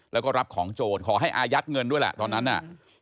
แล้วก็รับของโจรขอให้อายัดเงินด้วยแหละตอนนั้นน่ะ